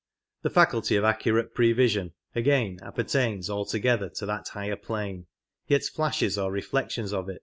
The faculty of accurate prevision, again, appertains altogether Prevision to that higher plane, yet flashes or reflections of Second sight.